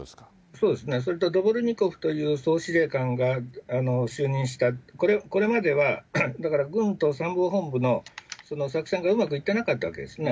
そうですね、それからドボルニコフという軍の司令官が就任した、これまではだから、軍と参謀本部の作戦がうまくいってなかったわけですね。